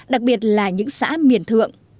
đặc biệt là những xã miền thượng